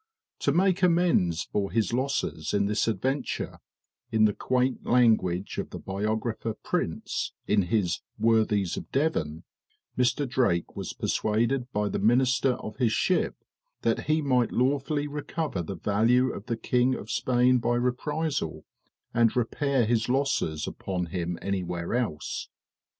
To make amends for his losses in this adventure, in the quaint language of the biographer Prince, in his "Worthies of Devon," "Mr. Drake was persuaded by the minister of his ship that he might lawfully recover the value of the King of Spain by reprisal, and repair his losses upon him anywhere else.